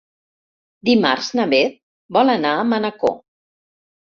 Dimarts na Beth vol anar a Manacor.